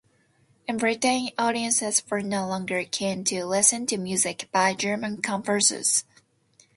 In Britain audiences were no longer keen to listen to music by German composers.